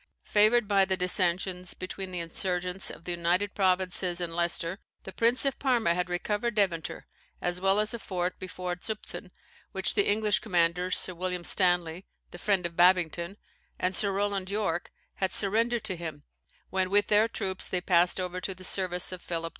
Favoured by the dissensions between the insurgents of the United Provinces and Leicester, the Prince of Parma had recovered Deventer, as well as a fort before Zutphen, which the English commanders, Sir William Stanley, the friend of Babbington, and Sir Roland York, had surrendered to him, when with their troops they passed over to the service of Philip II.